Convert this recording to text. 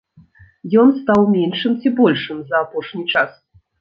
Ён стаў меншым ці большым за апошні час?